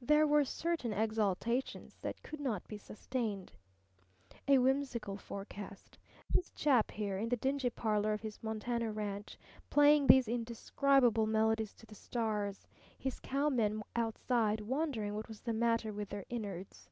There were certain exaltations that could not be sustained. A whimsical forecast: This chap here, in the dingy parlour of his Montana ranch, playing these indescribable melodies to the stars, his cowmen outside wondering what was the matter with their "inards."